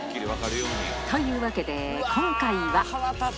というわけで、今回は。